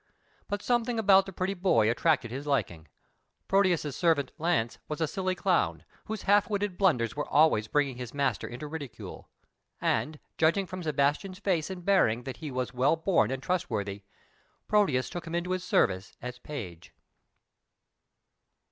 But something about the pretty boy attracted his liking. Proteus's servant Launce was a silly clown, whose half witted blunders were always bringing his master into ridicule, and, judging from Sebastian's face and bearing that he was well born and trustworthy, Proteus took him into his service as page.